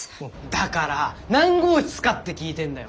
だから何号室かって聞いてんだよ。